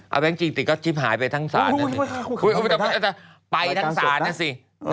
เอาแบงก์จริงติดก็ชิบหายไปทั้งศาลนั้นสิอุ๊ยไปทั้งศาลนั้นสิ